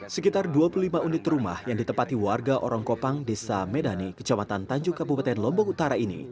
sekitar dua puluh lima unit rumah yang ditempati warga orongkopang desa medani kecamatan tanjung kabupaten lombok utara ini